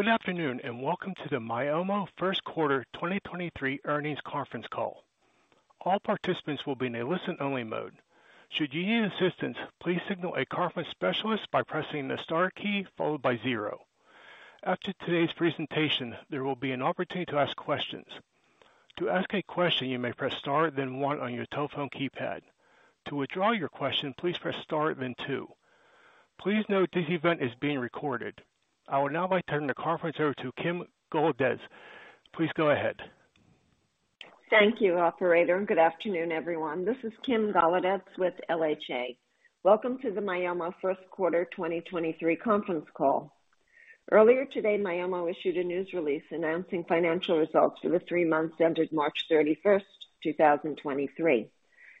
Good afternoon, welcome to the Myomo first quarter 2023 earnings conference call. All participants will be in a listen-only mode. Should you need assistance, please signal a conference specialist by pressing the star key followed by zero. After today's presentation, there will be an opportunity to ask questions. To ask a question, you may press star then one on your telephone keypad. To withdraw your question, please press star then two. Please note this event is being recorded. I would now like turn the conference over to Kim Golodetz. Please go ahead. Thank you, operator, and good afternoon, everyone. This is Kim Golodetz with LHA. Welcome to the Myomo first quarter 2023 conference call. Earlier today, Myomo issued a news release announcing financial results for the three months ended March 31st, 2023.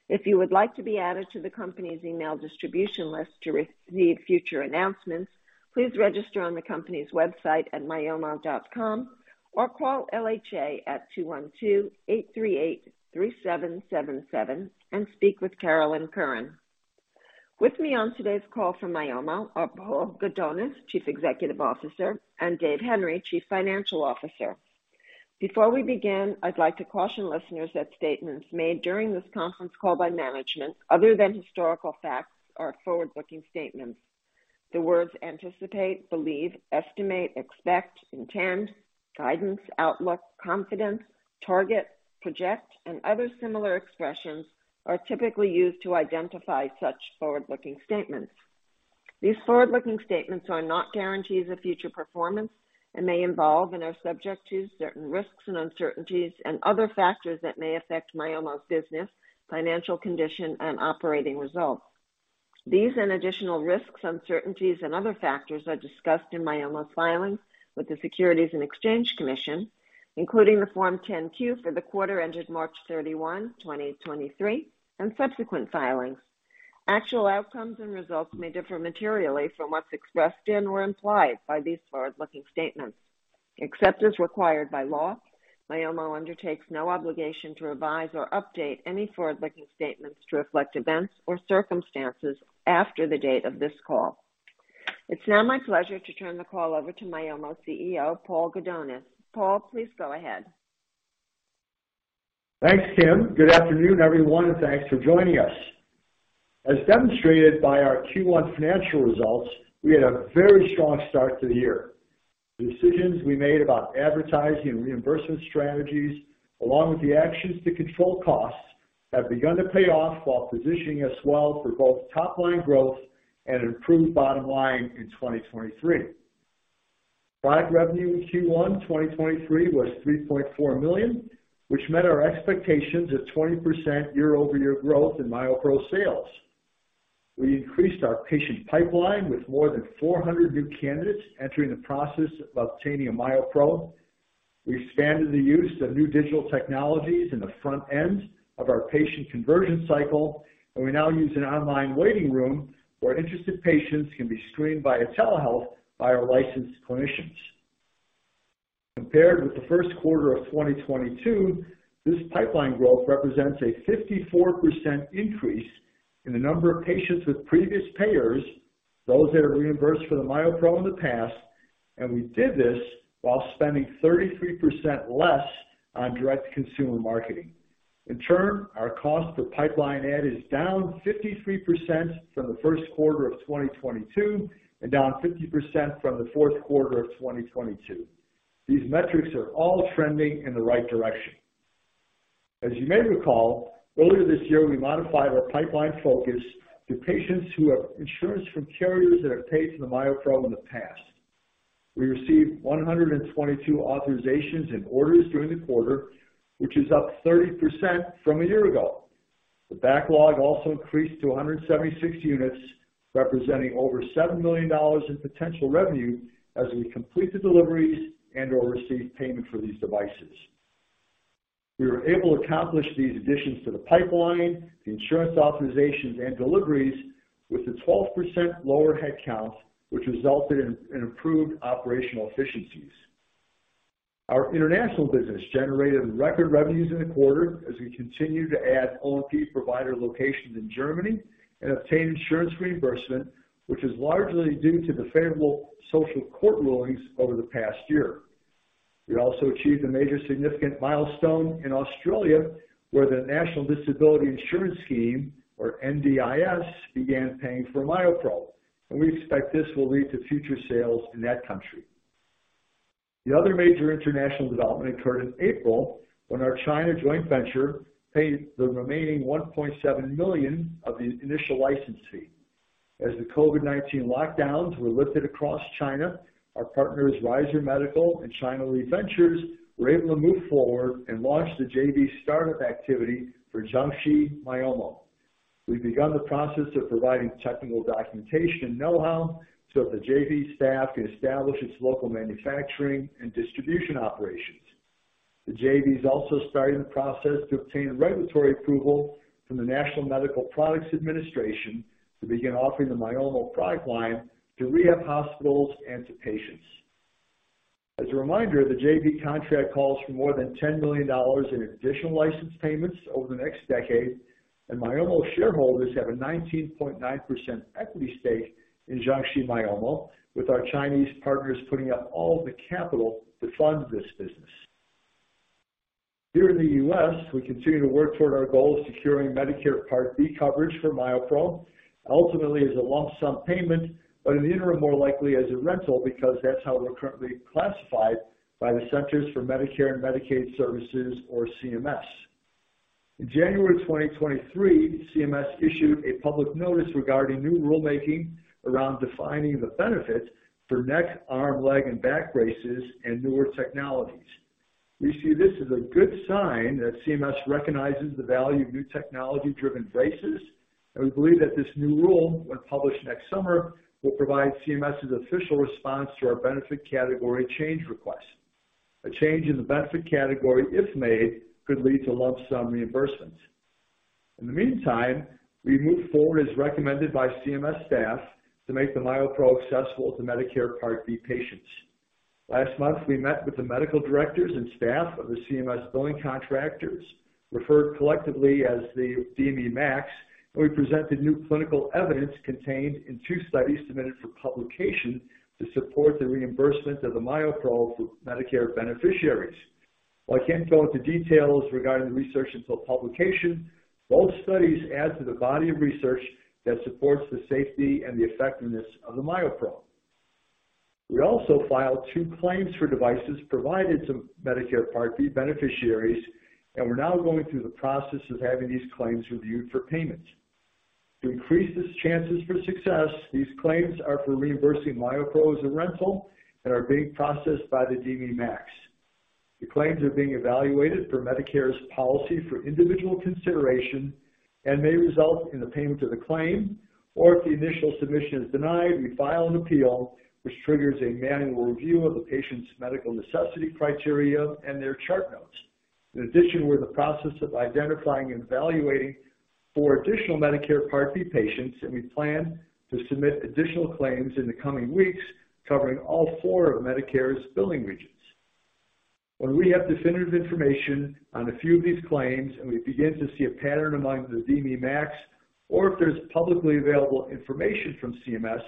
If you would like to be added to the company's email distribution list to re-receive future announcements, please register on the company's website at myomo.com or call LHA at 212-838-3777 and speak with Carolyn Curran. With me on today's call from Myomo are Paul Gudonis, Chief Executive Officer, and David Henry, Chief Financial Officer. Before we begin, I'd like to caution listeners that statements made during this conference call by management, other than historical facts, are forward-looking statements. The words anticipate, believe, estimate, expect, intend, guidance, outlook, confident, target, project, and other similar expressions are typically used to identify such forward-looking statements. These forward-looking statements are not guarantees of future performance and may involve and are subject to certain risks and uncertainties and other factors that may affect Myomo's business, financial condition and operating results. These and additional risks, uncertainties and other factors are discussed in Myomo's filings with the Securities and Exchange Commission, including the Form 10-Q for the quarter ended March 31, 2023 and subsequent filings. Actual outcomes and results may differ materially from what's expressed in or implied by these forward-looking statements. Except as required by law, Myomo undertakes no obligation to revise or update any forward-looking statements to reflect events or circumstances after the date of this call. It's now my pleasure to turn the call over to Myomo CEO, Paul Gudonis. Paul, please go ahead. Thanks, Kim. Good afternoon, everyone, and thanks for joining us. As demonstrated by our Q1 financial results, we had a very strong start to the year. The decisions we made about advertising and reimbursement strategies, along with the actions to control costs, have begun to pay off while positioning us well for both top line growth and an improved bottom line in 2023. Product revenue in Q1 2023 was $3.4 million, which met our expectations of 20% year-over-year growth in MyoPro sales. We increased our patient pipeline with more than 400 new candidates entering the process of obtaining a MyoPro. We expanded the use of new digital technologies in the front end of our patient conversion cycle, and we now use an online waiting room where interested patients can be screened via telehealth by our licensed clinicians. Compared with the first quarter of 2022, this pipeline growth represents a 54% increase in the number of patients with previous payers, those that have reimbursed for the MyoPro in the past. We did this while spending 33% less on direct-to-consumer marketing. In turn, our cost per pipeline add is down 53% from the first quarter of 2022 and down 50% from the fourth quarter of 2022. These metrics are all trending in the right direction. As you may recall, earlier this year we modified our pipeline focus to patients who have insurance from carriers that have paid for the MyoPro in the past. We received 122 authorizations and orders during the quarter, which is up 30% from a year ago. The backlog also increased to 176 units, representing over $7 million in potential revenue as we complete the deliveries and/or receive payment for these devices. We were able to accomplish these additions to the pipeline, the insurance authorizations and deliveries with a 12% lower headcount, which resulted in improved operational efficiencies. Our international business generated record revenues in the quarter as we continue to add O&P provider locations in Germany and obtain insurance reimbursement, which is largely due to the favorable social court rulings over the past year. We also achieved a major significant milestone in Australia, where the National Disability Insurance Scheme, or NDIS, began paying for MyoPro, and we expect this will lead to future sales in that country. The other major international development occurred in April when our China joint venture paid the remaining $1.7 million of the initial license fee. As the COVID-19 lockdowns were lifted across China, our partners, Ryzur Medical and Chinaleaf, were able to move forward and launch the JV startup activity for Jiangxi Myomo. We've begun the process of providing technical documentation know-how so that the JV staff can establish its local manufacturing and distribution operations. The JV is also starting the process to obtain regulatory approval from the National Medical Products Administration to begin offering the Myomo product line to rehab hospitals and to patients. As a reminder, the JV contract calls for more than $10 million in additional license payments over the next decade. Myomo shareholders have a 19.9% equity stake in Jiangxi Myomo, with our Chinese partners putting up all the capital to fund this business. Here in the U.S., we continue to work toward our goal of securing Medicare Part B coverage for MyoPro, ultimately as a lump sum payment. In the interim, more likely as a rental because that's how we're currently classified by the Centers for Medicare and Medicaid Services or CMS. In January 2023, CMS issued a public notice regarding new rulemaking around defining the benefit for neck, arm, leg and back braces and newer technologies. We see this as a good sign that CMS recognizes the value of new technology-driven braces, and we believe that this new rule, when published next summer, will provide CMS's official response to our benefit category change request. A change in the benefit category, if made, could lead to lump sum reimbursements. In the meantime, we've moved forward as recommended by CMS staff to make the MyoPro accessible to Medicare Part B patients. Last month, we met with the medical directors and staff of the CMS billing contractors, referred collectively as the DME MACs, and we presented new clinical evidence contained in two studies submitted for publication to support the reimbursement of the MyoPro for Medicare beneficiaries. While I can't go into details regarding the research until publication, both studies add to the body of research that supports the safety and the effectiveness of the MyoPro. We also filed two claims for devices provided to Medicare Part B beneficiaries, and we're now going through the process of having these claims reviewed for payment. To increase these chances for success, these claims are for reimbursing MyoPro as a rental and are being processed by the DME MACs. The claims are being evaluated per Medicare's policy for individual consideration and may result in the payment of the claim or if the initial submission is denied, we file an appeal which triggers a manual review of the patient's medical necessity criteria and their chart notes. In addition, we're in the process of identifying and evaluating four additional Medicare Part B patients, and we plan to submit additional claims in the coming weeks covering all four of Medicare's billing regions. When we have definitive information on a few of these claims and we begin to see a pattern among the DME MACs or if there's publicly available information from CMS,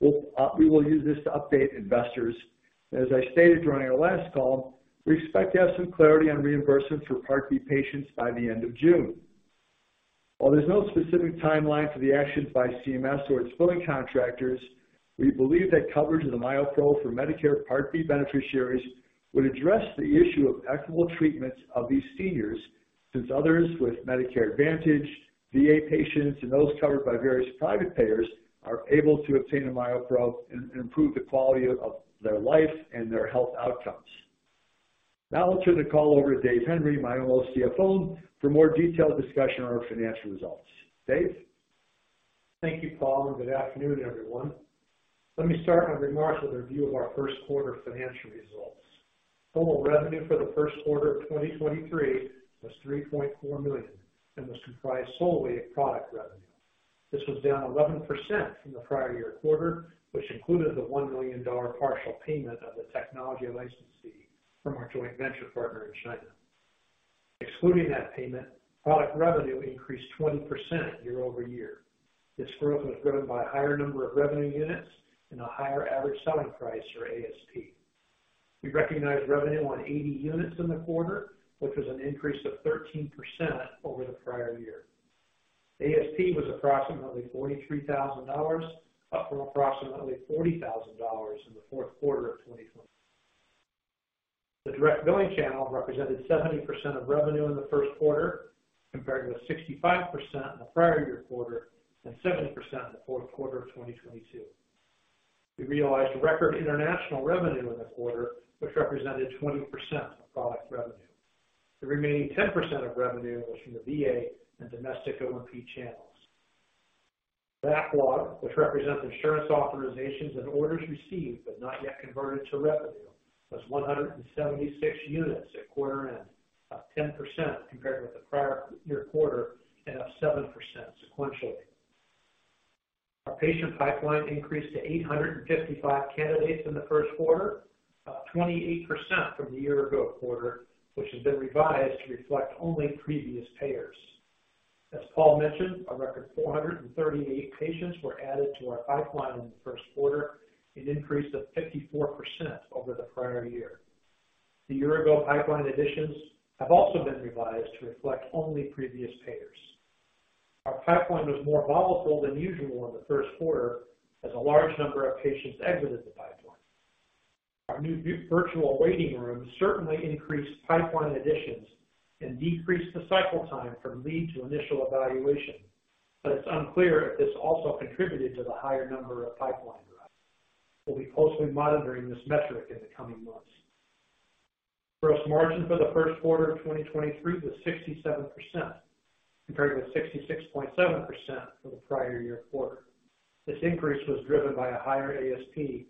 we will use this to update investors. As I stated during our last call, we expect to have some clarity on reimbursement for Part B patients by the end of June. While there's no specific timeline for the actions by CMS or its billing contractors, we believe that coverage of the MyoPro for Medicare Part B beneficiaries would address the issue of equitable treatment of these seniors since others with Medicare Advantage, VA patients and those covered by various private payers are able to obtain a MyoPro and improve the quality of their life and their health outcomes. I'll turn the call over to David Henry, Myo's CFO, for more detailed discussion on our financial results. Dave? Thank you, Paul. Good afternoon, everyone. Let me start my remarks with a review of our first quarter financial results. Total revenue for the first quarter of 2023 was $3.4 million and was comprised solely of product revenue. This was down 11% from the prior year quarter, which included the $1 million partial payment of the technology license fee from our joint venture partner in China. Excluding that payment, product revenue increased 20% year-over-year. This growth was driven by a higher number of revenue units and a higher average selling price or ASP. We recognized revenue on 80 units in the quarter, which was an increase of 13% over the prior year. ASP was approximately $43,000, up from approximately $40,000 in the fourth quarter of 2022. The direct billing channel represented 70% of revenue in the first quarter compared with 65% in the prior year quarter and 70% in the fourth quarter of 2022. We realized record international revenue in the quarter, which represented 20% of product revenue. The remaining 10% of revenue was from the VA and domestic O&P channels. Backlog, which represents insurance authorizations and orders received but not yet converted to revenue, was 176 units at quarter end, up 10% compared with the prior year quarter and up 7% sequentially. Our patient pipeline increased to 855 candidates in the first quarter, up 28% from the year ago quarter, which has been revised to reflect only previous payers. As Paul mentioned, a record 438 patients were added to our pipeline in the first quarter, an increase of 54% over the prior year. The year-ago pipeline additions have also been revised to reflect only previous payers. Our pipeline was more volatile than usual in the first quarter as a large number of patients exited the pipeline. Our new virtual waiting room certainly increased pipeline additions and decreased the cycle time from lead to initial evaluation, but it's unclear if this also contributed to the higher number of pipeline drops. We'll be closely monitoring this metric in the coming months. Gross margin for the first quarter of 2023 was 67% compared with 66.7% for the prior year quarter. This increase was driven by a higher ASP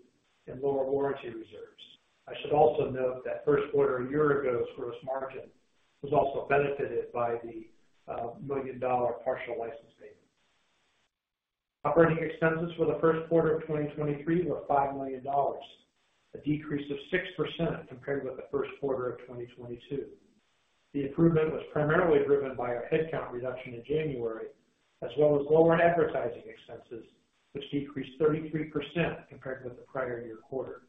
and lower warranty reserves. I should also note that first quarter a year ago's gross margin was also benefited by the $1 million partial license payment. Operating expenses for the first quarter of 2023 were $5 million, a decrease of 6% compared with the first quarter of 2022. The improvement was primarily driven by our headcount reduction in January, as well as lower advertising expenses. Which decreased 33% compared with the prior year quarter.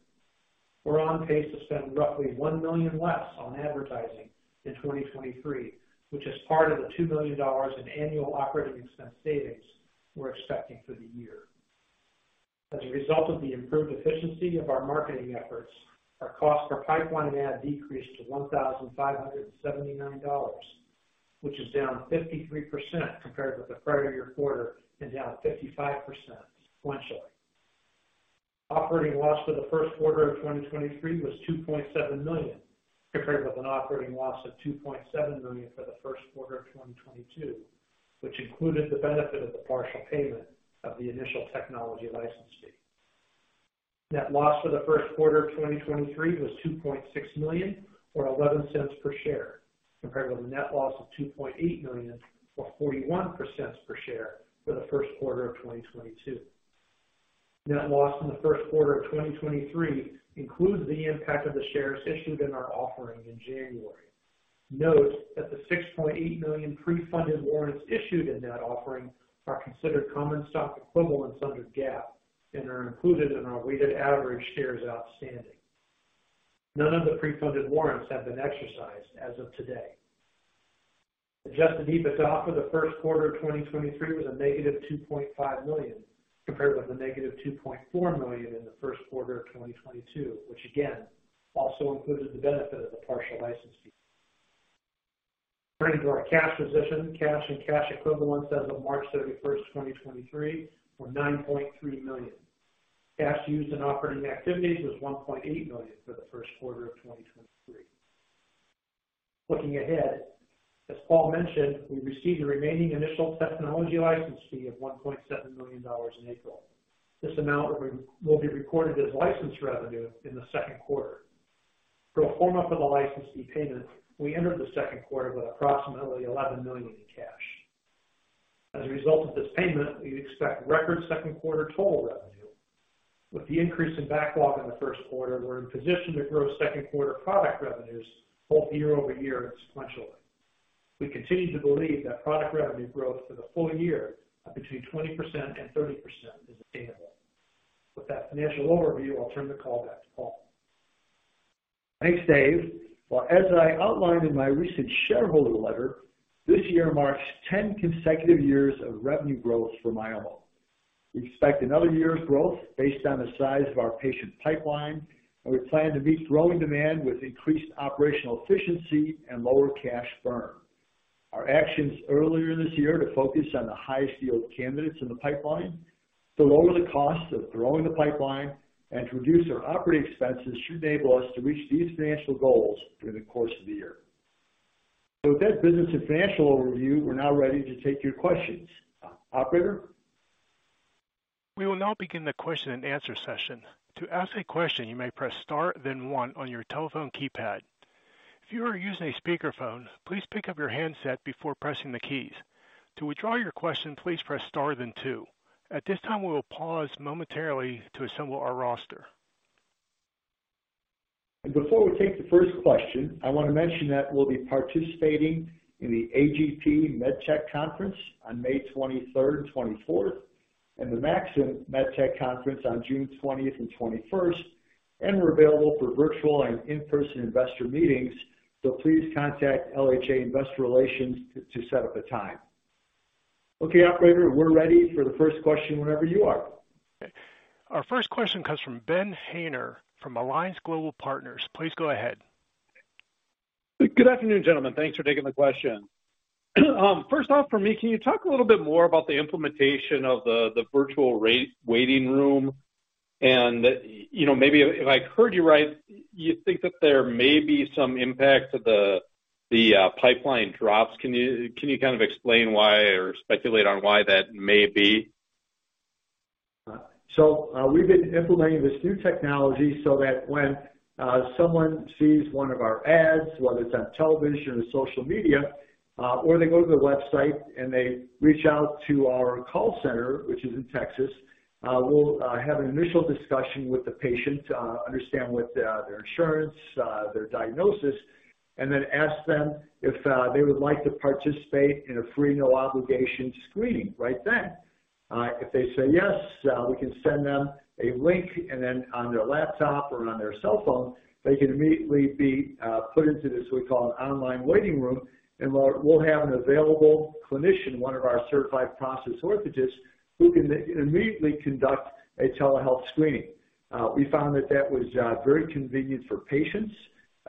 We're on pace to spend roughly $1 million less on advertising in 2023, which is part of the $2 million in annual operating expense savings we're expecting for the year. As a result of the improved efficiency of our marketing efforts, our cost per pipeline add decreased to $1,579, which is down 53% compared with the prior year quarter and down 55% sequentially. Operating loss for the first quarter of 2023 was $2.7 million, compared with an operating loss of $2.7 million for the first quarter of 2022, which included the benefit of the partial payment of the initial technology license fee. Net loss for the first quarter of 2023 was $2.6 million, or $0.11 per share, compared with a net loss of $2.8 million or $0.41 per share for the first quarter of 2022. Net loss in the first quarter of 2023 includes the impact of the shares issued in our offering in January. Note that the 6.8 million pre-funded warrants issued in that offering are considered common stock equivalents under GAAP and are included in our weighted average shares outstanding. None of the pre-funded warrants have been exercised as of today. Adjusted EBITDA for the first quarter of 2023 was -$2.5 million, compared with -$2.4 million in the first quarter of 2022, which again also included the benefit of the partial license fee. Turning to our cash position. Cash and cash equivalents as of March 31st, 2023 were $9.3 million. Cash used in operating activities was $1.8 million for the first quarter of 2023. Looking ahead, as Paul mentioned, we received the remaining initial technology license fee of $1.7 million in April. This amount will be recorded as license revenue in the second quarter. Pro forma for the licensee payment, we entered the second quarter with approximately $11 million in cash. As a result of this payment, we expect record second quarter total revenue. With the increase in backlog in the first quarter, we're in position to grow second quarter product revenues both year-over-year and sequentially. We continue to believe that product revenue growth for the full year of between 20% and 30% is attainable. With that financial overview, I'll turn the call back to Paul. Thanks, Dave. Well, as I outlined in my recent shareholder letter, this year marks 10 consecutive years of revenue growth for Myo. We expect another year of growth based on the size of our patient pipeline, and we plan to meet growing demand with increased operational efficiency and lower cash burn. Our actions earlier this year to focus on the highest yield candidates in the pipeline to lower the costs of growing the pipeline and to reduce our operating expenses should enable us to reach these financial goals during the course of the year. With that business and financial overview, we're now ready to take your questions. Operator? We will now begin the question and answer session. To ask a question, you may press star, then one on your telephone keypad. If you are using a speakerphone, please pick up your handset before pressing the keys. To withdraw your question, please press star then two. At this time, we will pause momentarily to assemble our roster. Before we take the first question, I want to mention that we'll be participating in the A.G.P. MedTech Conference on May 23rd and 24th, and the Maxim MedTech Conference on June 20th and 21st. We're available for virtual and in-person investor meetings, so please contact LHA Investor Relations to set up a time. Okay, operator, we're ready for the first question whenever you are. Our first question comes from Ben Haynor from Alliance Global Partners. Please go ahead. Good afternoon, gentlemen. Thanks for taking the question. First off, for me, can you talk a little bit more about the implementation of the virtual waiting room? You know, maybe if I heard you right, you think that there may be some impact to the pipeline drops. Can you, can you kind of explain why or speculate on why that may be? We've been implementing this new technology so that when someone sees one of our ads, whether it's on television or social media, or they go to the website and they reach out to our call center, which is in Texas, we'll have an initial discussion with the patient, understand what their insurance, their diagnosis, and then ask them if they would like to participate in a free, no obligation screening right then. If they say yes, we can send them a link, and then on their laptop or on their cell phone, they can immediately be put into this, we call an online waiting room. We'll have an available clinician, one of our certified prosthetist orthotists, who can immediately conduct a telehealth screening. was very convenient for patients.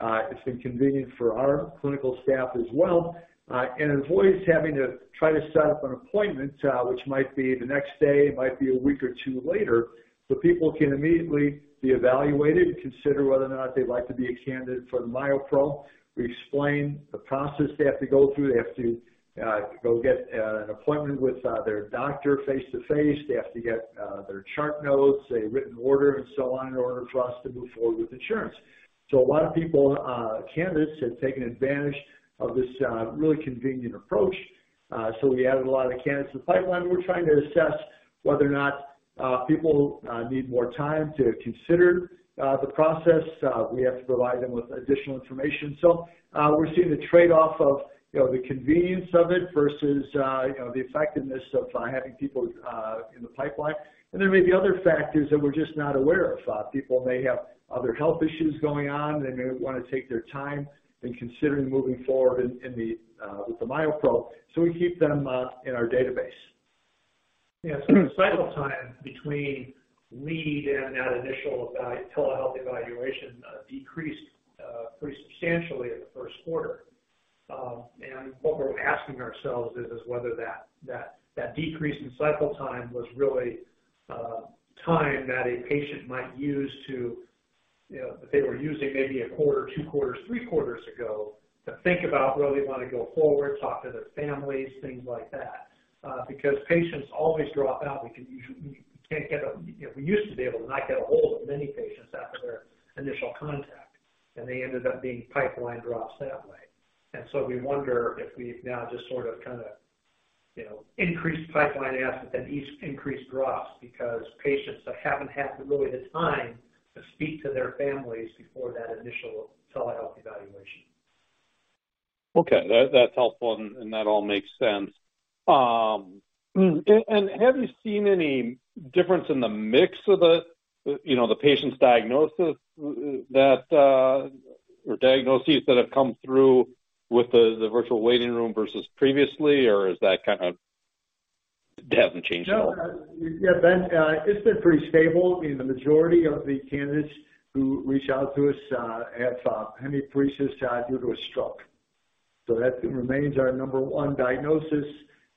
It's been convenient for our clinical staff as well. Avoids having to try to set up an appointment, which might be the next day, it might be a week or two later. People can immediately be evaluated, consider whether or not they'd like to be a candidate for the MyoPro. We explain the process they have to go through. They have to go get an appointment with their doctor face-to-face. They have to get their chart notes, a written order, and so on, in order for us to move forward with insurance. A lot of people, candidates have taken advantage of this really convenient approach. We added a lot of candidates to the pipeline We're trying to assess whether or not people need more time to consider the process. We have to provide them with additional information. We're seeing the trade-off of, you know, the convenience of it versus, you know, the effectiveness of having people in the pipeline. There may be other factors that we're just not aware of. People may have other health issues going on, they may wanna take their time in considering moving forward in the with the MyoPro, so we keep them in our database. Yes. The cycle time between lead and that initial telehealth evaluation, decreased pretty substantially in the first quarter. What we're asking ourselves is whether that decrease in cycle time was really time that a patient might use to, you know, that they were using maybe a quarter, two quarters, three quarters ago, to think about whether they wanna go forward, talk to their families, things like that. Because patients always drop out. You know, we used to be able to not get ahold of many patients after their initial contact, and they ended up being pipeline drops that way. We wonder if we've now just sort of, kinda, you know, increased pipeline assets and each increased drops because patients that haven't had really the time to speak to their families before that initial telehealth evaluation. Okay. That's helpful and that all makes sense. Have you seen any difference in the mix of the, you know, the patient's diagnosis that, or diagnoses that have come through with the virtual waiting room versus previously? Or is that kinda, it hasn't changed at all? Yeah, Ben, it's been pretty stable. I mean, the majority of the candidates who reach out to us, have hemiparesis, due to a stroke. That remains our number one diagnosis.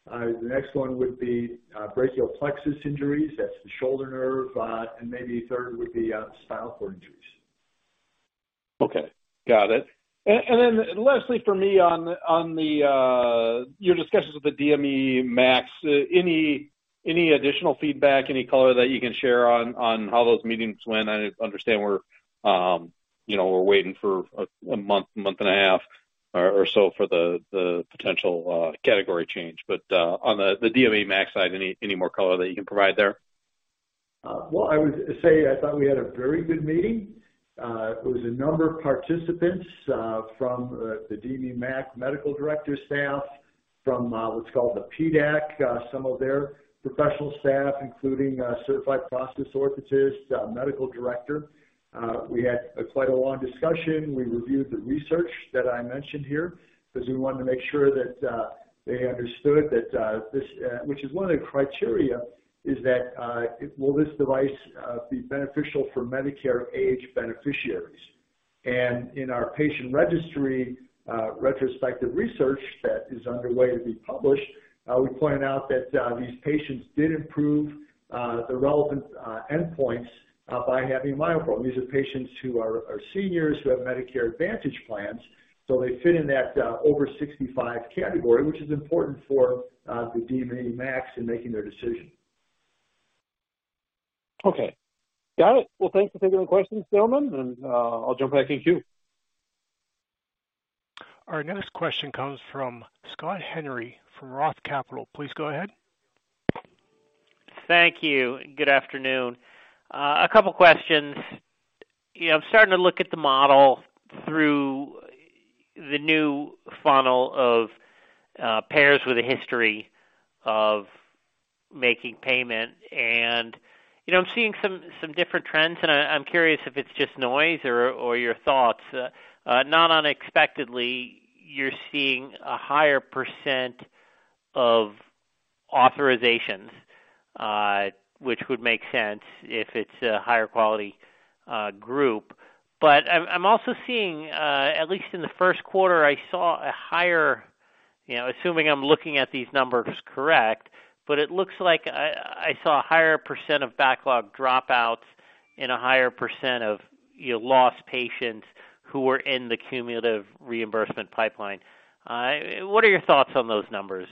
The next one would be brachial plexus injuries, that's the shoulder nerve. Maybe third would be spinal cord injuries. Okay. Got it. Then lastly for me on the your discussions with the DME MACs, any additional feedback, any color that you can share on how those meetings went? I understand we're, you know, we're waiting for a month and a half or so for the potential category change. On the DME MAC side, any more color that you can provide there? Well, I would say I thought we had a very good meeting. It was a number of participants from the DME MAC medical director staff from what's called the PDAC, some of their professional staff, including a Certified Prosthetist Orthotist, medical director. We had quite a long discussion. We reviewed the research that I mentioned here, 'cause we wanted to make sure that they understood that this, which is one of the criteria, is that will this device be beneficial for Medicare age beneficiaries? In our patient registry, retrospective research that is underway to be published, we point out that these patients did improve the relevant endpoints by having MyoPro. These are patients who are seniors who have Medicare Advantage plans, so they fit in that over 65 category, which is important for the DME MACs in making their decision. Okay. Got it. Well, thanks for taking the questions, gentlemen, I'll jump back to you. Our next question comes from Scott Henry from Roth Capital. Please go ahead. Thank you. Good afternoon. A couple questions. You know, I'm starting to look at the model through the new funnel of payers with a history of making payment. You know, I'm seeing some different trends, and I'm curious if it's just noise or your thoughts. Not unexpectedly, you're seeing a higher percent of authorizations, which would make sense if it's a higher quality group. I'm also seeing, at least in the first quarter, I saw a higher, you know, assuming I'm looking at these numbers correct, but it looks like I saw a higher percent of backlog dropouts and a higher percent of, you know, lost patients who were in the cumulative reimbursement pipeline. What are your thoughts on those numbers?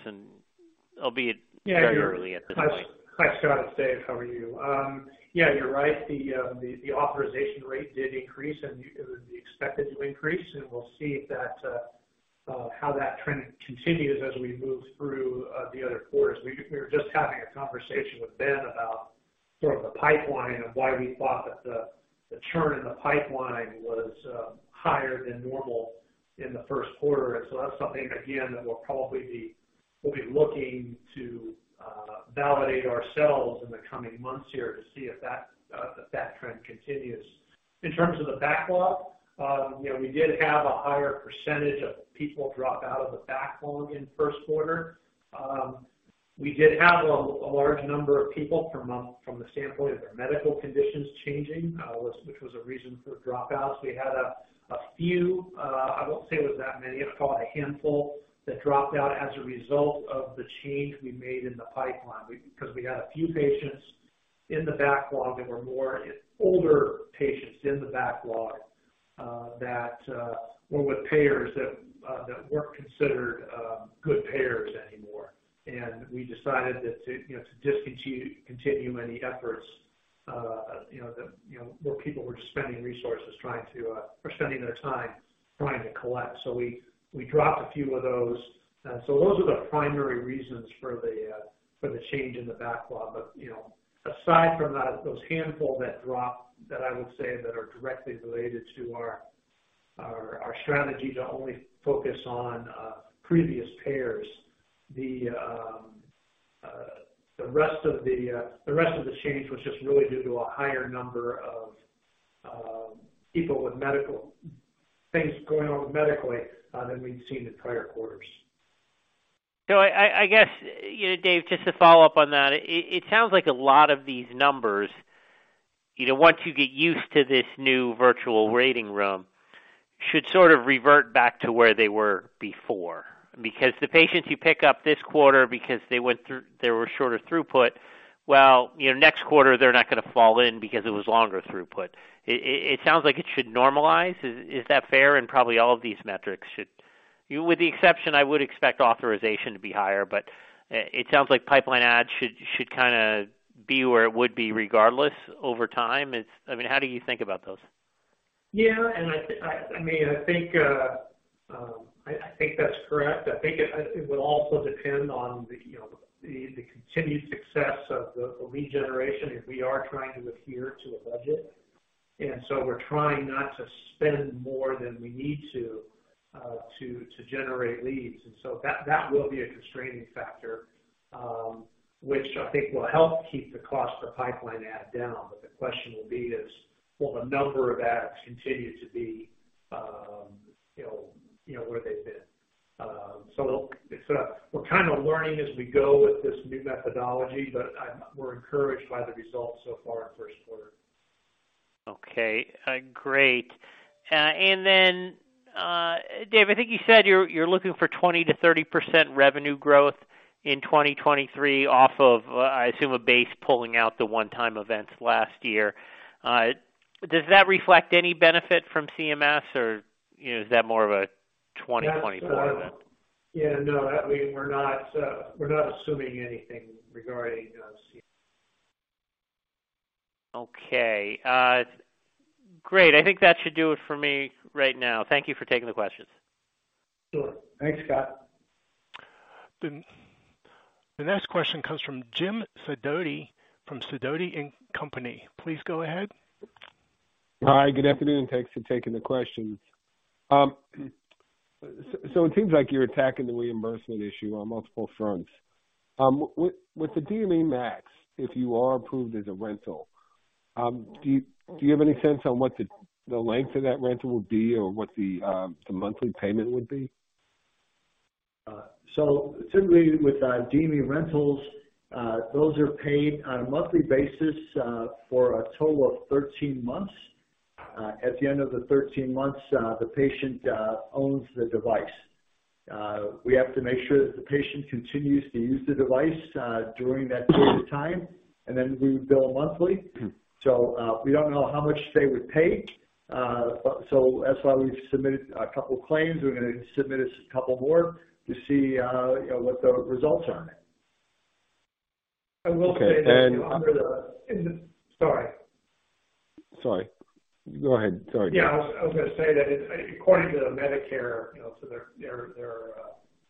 Albeit very early at this point. Yeah. Hi, Scott. It's Dave. How are you? Yeah, you're right. The, the authorization rate did increase. It was expected to increase. We'll see if that, how that trend continues as we move through the other quarters. We were just having a conversation with Ben about sort of the pipeline and why we thought that the churn in the pipeline was higher than normal in the first quarter. That's something, again, that we'll probably be looking to validate ourselves in the coming months here to see if that trend continues. In terms of the backlog, you know, we did have a higher percentage of people drop out of the backlog in first quarter. We did have a large number of people from the standpoint of their medical conditions changing, which was a reason for the dropouts. We had a few, I won't say it was that many, I'd call it a handful, that dropped out as a result of the change we made in the pipeline because we had a few patients in the backlog that were more older patients in the backlog that were with payers that weren't considered good payers anymore. We decided that to discontinue any efforts that more people were just spending resources trying to or spending their time trying to collect. We dropped a few of those. Those are the primary reasons for the change in the backlog. You know, aside from that, those handful that dropped that I would say that are directly related to our strategy to only focus on previous payers, the rest of the change was just really due to a higher number of people with medical things going on medically than we'd seen in prior quarters. I guess, you know, Dave, just to follow up on that, it sounds like a lot of these numbers, you know, once you get used to this new virtual waiting room, should sort of revert back to where they were before. The patients you pick up this quarter because there were shorter throughput, well, you know, next quarter they're not gonna fall in because it was longer throughput. It sounds like it should normalize. Is that fair? Probably all of these metrics should... You know, with the exception, I would expect authorization to be higher, but it sounds like pipeline adds should kind of be where it would be regardless over time. I mean, how do you think about those? Yeah. I mean, I think that's correct. I think it would also depend on the, you know, the continued success of the lead generation, if we are trying to adhere to a budget. So we're trying not to spend more than we need to generate leads. So that will be a constraining factor, which I think will help keep the cost of pipeline add down. The question will be is, will the number of adds continue to be, you know, where they've been? So it's we're kind of learning as we go with this new methodology, but we're encouraged by the results so far in first quarter. Okay. great. Dave, I think you said you're looking for 20% to 30% revenue growth in 2023 off of, I assume a base pulling out the one-time events last year. Does that reflect anybenefit from CMS or, you know, is that more of a 2024 event? Yeah, no, I mean, we're not, we're not assuming anything regarding CMS. Okay. Great. I think that should do it for me right now. Thank you for taking the questions. Sure. Thanks, Scott. The next question comes from Jim Sidoti from Sidoti & Company. Please go ahead. Hi. Good afternoon. Thanks for taking the questions. It seems like you're attacking the reimbursement issue on multiple fronts. With the DME MACs, if you are approved as a rental, do you have any sense on what the length of that rental would be or what the monthly payment would be? Typically with DME rentals, those are paid on a monthly basis, for a total of 13 months. At the end of the 13 months, the patient owns the device. We have to make sure that the patient continues to use the device during that period of time, and then we bill monthly. We don't know how much they would pay. That's why we've submitted a couple claims. We're gonna submit a couple more to see, you know, what the results are. I will say this. Okay. Sorry. Sorry. Go ahead. Sorry, Dave. Yeah, I was gonna say that according to the Medicare, you know,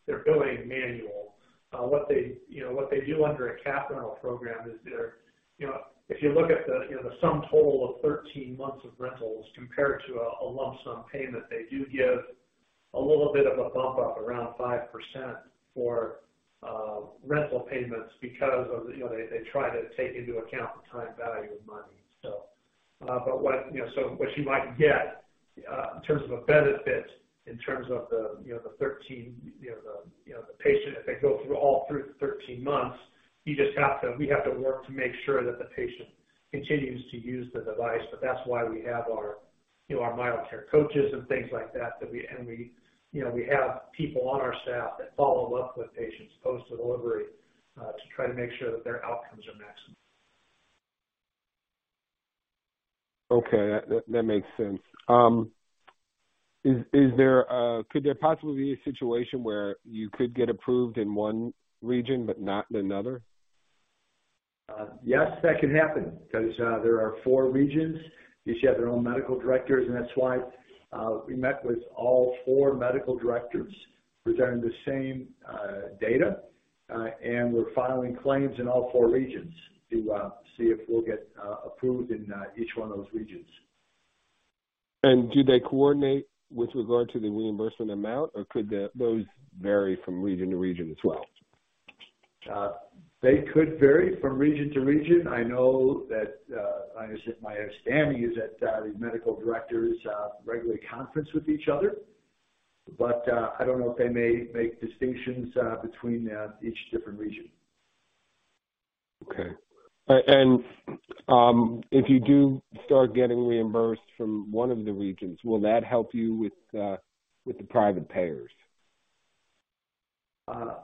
their billing manual, what they, you know, what they do under a capital program is they're, you know. If you look at the, you know, the sum total of 13 months of rentals compared to a lump sum payment, they do give a little bit of a bump up, around 5% for rental payments because of, you know, they try to take into account the time value of money. What, you know, so what you might get in terms of a benefit in terms of the, you know, the 13, you know, the, you know, the patient if they go through all through the 13 months, we have to work to make sure that the patient continues to use the device. That's why we have our, you know, our MyoCare coaches and things like that we, you know, we have people on our staff that follow up with patients post-delivery to try to make sure that their outcomes are maximum. Okay. That makes sense. Could there possibly be a situation where you could get approved in one region but not in another? Yes, that can happen because there are four regions. Each have their own medical directors, and that's why we met with all four medical directors presenting the same data. We're filing claims in all four regions to see if we'll get approved in each one of those regions. Do they coordinate with regard to the reimbursement amount, or could those vary from region to region as well? They could vary from region to region. I know that, my understanding is that these medical directors regularly conference with each other, but I don't know if they may make distinctions between each different region. Okay. If you do start getting reimbursed from one of the regions, will that help you with the private payers?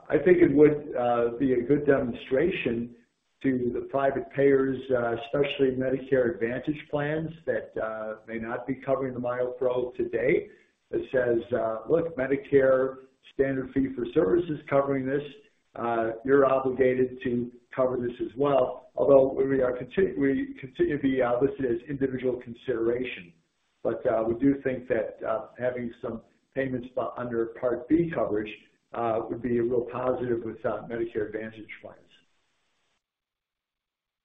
I think it would be a good demonstration. To the private payers, especially Medicare Advantage plans that may not be covering the MyoPro to date. That says, "Look, Medicare standard fee for service is covering this. You're obligated to cover this as well." Although we continue to be, this is individual consideration, but we do think that having some payments by under Part D coverage would be a real positive with Medicare Advantage plans.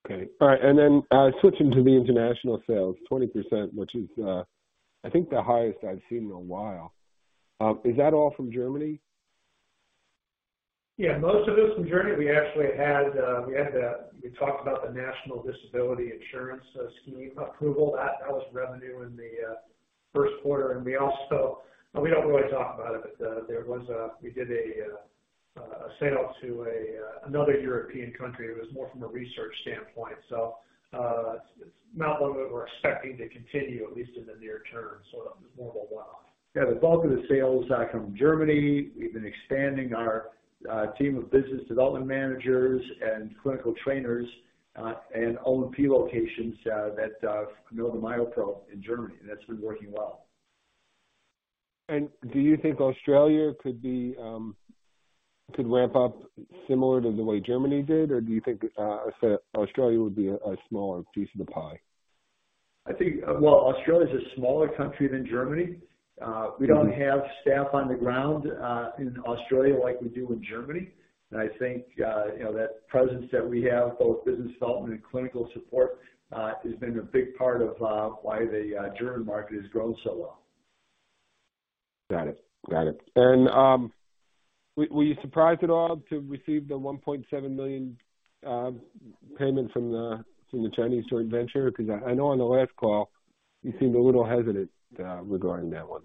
Okay. All right. Switching to the international sales, 20%, which is, I think the highest I've seen in a while. Is that all from Germany? Most of it's from Germany. We actually talked about the National Disability Insurance Scheme approval. That was revenue in the first quarter. We don't really talk about it, but we did a sale to another European country. It was more from a research standpoint, not one that we're expecting to continue, at least in the near term. More of a one-off. The bulk of the sales are from Germany. We've been expanding our team of business development managers and clinical trainers, and O&P locations, that know the MyoPro in Germany, and that's been working well. Do you think Australia could be, could ramp up similar to the way Germany did? Or do you think Australia would be a smaller piece of the pie? I think, well, Australia's a smaller country than Germany. We don't have staff on the ground, in Australia like we do in Germany. I think, you know, that presence that we have, both business development and clinical support, has been a big part of, why the German market has grown so well. Got it. Got it. Were you surprised at all to receive the $1.7 million payment from the Chinese joint venture? 'Cause I know on the last call, you seemed a little hesitant regarding that one.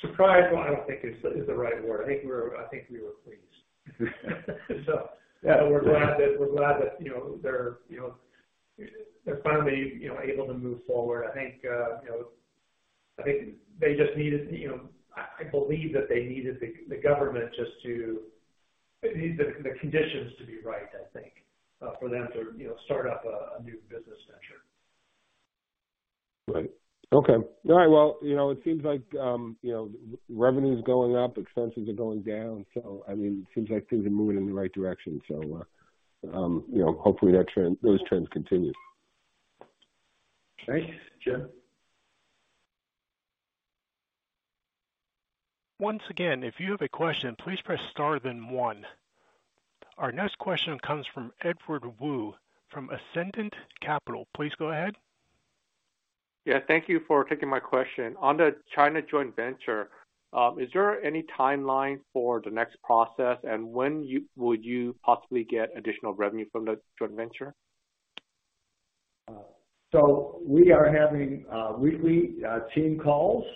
Surprised, well, I don't think is the right word. I think we were pleased. Yeah, we're glad that, you know, they're, you know, they're finally, you know, able to move forward. I think, you know, I think they just needed, you know. I believe that they needed the government just to. They need the conditions to be right, I think, for them to, you know, start up a new business venture. Right. Okay. All right. Well, you know, it seems like, you know, revenue's going up, expenses are going down. I mean, it seems like things are moving in the right direction. You know, hopefully that trend, those trends continue. Thanks, Jim. Once again, if you have a question, please press star then one. Our next question comes from Edward Wu from Ascendiant Capital Markets. Please go ahead. Yeah, thank you for taking my question. On the China joint venture, is there any timeline for the next process? When would you possibly get additional revenue from the joint venture? We are having weekly team calls,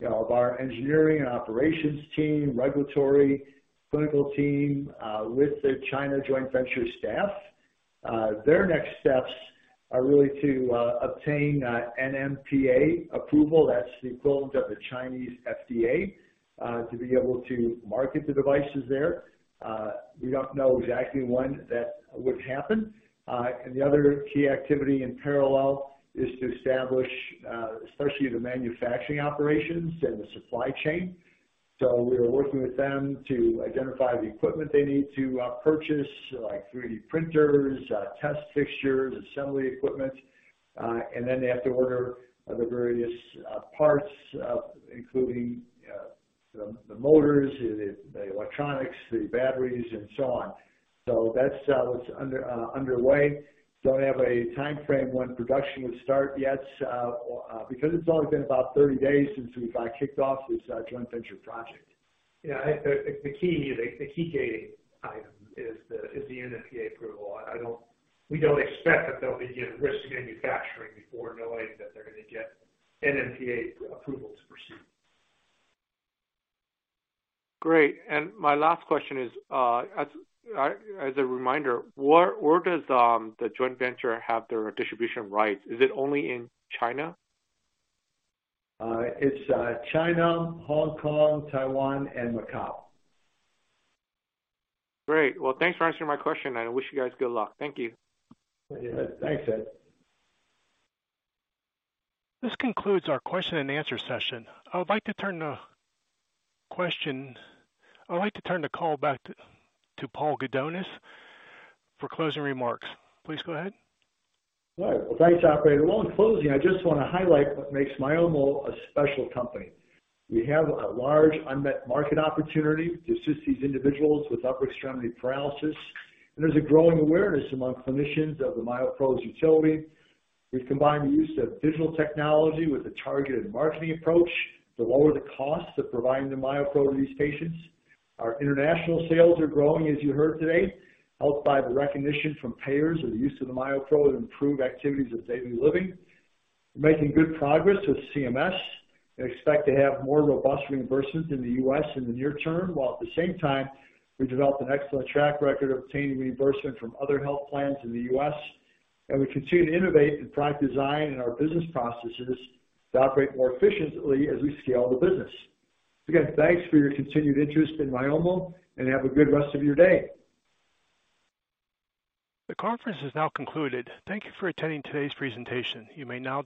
you know, of our engineering and operations team, regulatory, clinical team, with the China Joint Venture staff. Their next steps are really to obtain a NMPA approval. That's the equivalent of the Chinese FDA, to be able to market the devices there. We don't know exactly when that would happen. The other key activity in parallel is to establish especially the manufacturing operations and the supply chain. We are working with them to identify the equipment they need to purchase, like 3D printers, test fixtures, assembly equipment. They have to order the various parts, including the motors, the electronics, the batteries and so on. That's what's underway. Don't have a timeframe when production would start yet, because it's only been about 30 days since we've kicked off this joint venture project. Yeah, It's the key gating item is the NMPA approval. We don't expect that they'll begin risking manufacturing before knowing that they're gonna get NMPA approval to proceed. Great. My last question is, as a reminder, where does the joint venture have their distribution rights? Is it only in China? It's China, Hong Kong, Taiwan and Macau. Great. Well, thanks for answering my question. I wish you guys good luck. Thank you. Thanks, Ed. This concludes our question and answer session. I would like to turn the call back to Paul Gudonis for closing remarks. Please go ahead. Thanks, operator. In closing, I just wanna highlight what makes Myomo a special company. We have a large unmet market opportunity to assist these individuals with upper extremity paralysis, and there's a growing awareness among clinicians of the MyoPro's utility. We've combined the use of digital technology with a targeted marketing approach to lower the costs of providing the MyoPro to these patients. Our international sales are growing, as you heard today, helped by the recognition from payers of the use of the MyoPro to improve activities of daily living. We're making good progress with CMS and expect to have more robust reimbursements in the U.S. in the near term, while at the same time, we developed an excellent track record of obtaining reimbursement from other health plans in the U.S. We continue to innovate in product design and our business processes to operate more efficiently as we scale the business. Again, thanks for your continued interest in Myomo, and have a good rest of your day. The conference is now concluded. Thank you for attending today's presentation. You may now.